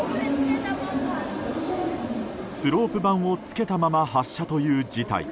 スロープ板をつけたまま発車という事態。